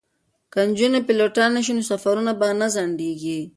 که نجونې پیلوټانې شي نو سفرونه به نه ځنډیږي.